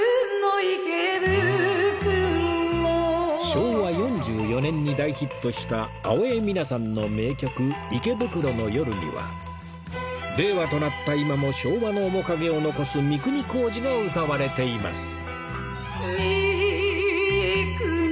昭和４４年に大ヒットした青江三奈さんの名曲『池袋の夜』には令和となった今も昭和の面影を残す美久仁小路が歌われています